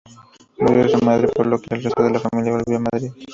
Murió su madre, por lo que el resto de la familia volvió a Madrid.